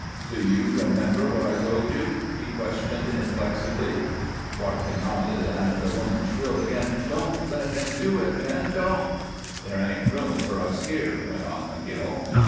"Do you remember what I told you?" he questioned, inflexibly. Barclay nodded, and the woman shrilled again: "Don't let him do it, men. Don't!" "There ain't room for us here," went on McGill.